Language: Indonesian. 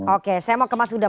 oke saya mau ke mas huda